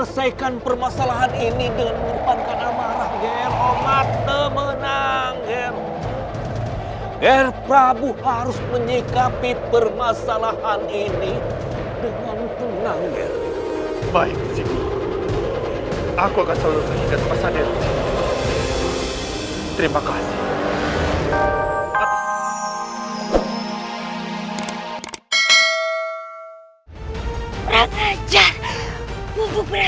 sampai jumpa di video selanjutnya